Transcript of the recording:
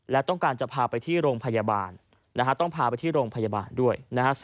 และต้องการจะพาไปที่โรงพยาบาลต้องพาไปที่โรงพยาบาลด้วยนะฮะ